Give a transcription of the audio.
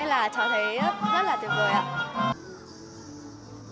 nên là cháu thấy rất là tuyệt vời ạ